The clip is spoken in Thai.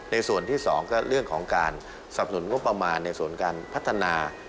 ส่วนที่๒ก็เรื่องของการสับหนุนงบประมาณในส่วนการพัฒนา